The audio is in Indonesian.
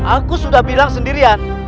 aku sudah bilang sendirian